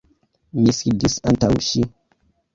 Mi sidis antaŭ ŝi.